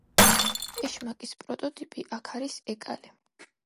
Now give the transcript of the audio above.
ეშმაკის პროტოტიპი აქ არის ეკალი.